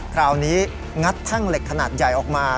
คราวนี้งัดแท่งเหล็กขนาดใหญ่ออกมา